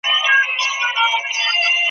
ښکاري زرکه د خپل قام په ځان بلا وه `